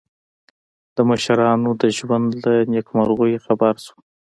د مشرانو د ژوند له نېکمرغیو خبر شو.